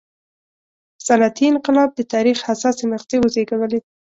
صنعتي انقلاب د تاریخ حساسې مقطعې وزېږولې.